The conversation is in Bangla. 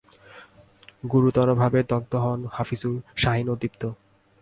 গুরুতরভাবে দগ্ধ হন হাফিজুর, শাহীন ও দীপ্ত।